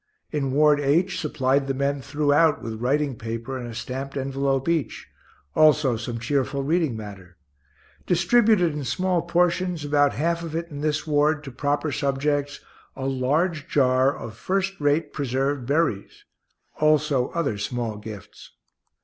In Ward H supplied the men throughout with writing paper and a stamped envelope each, also some cheerful reading matter; distributed in small portions, about half of it in this ward, to proper subjects, a large jar of first rate preserved berries; also other small gifts.